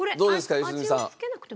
良純さん。